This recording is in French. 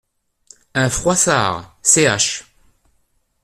un Froissart, ch.